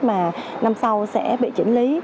mà năm sau sẽ bị chỉnh lý